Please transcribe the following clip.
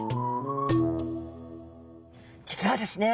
実はですね